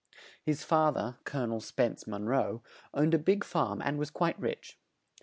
His fa ther, Colo nel Spense Mon roe, owned a big farm and was quite rich.